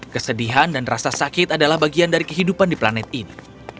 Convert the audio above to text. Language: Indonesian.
kesedihan dan rasa sakit adalah bagian dari kehidupan di planet ini